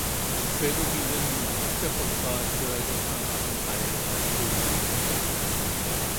외국인은 국제법과 조약이 정하는 바에 의하여 그 지위가 보장된다.